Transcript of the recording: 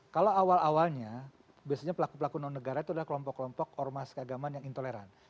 kalau awal awalnya biasanya pelaku pelaku non negara itu adalah kelompok kelompok ormas keagamaan yang intoleran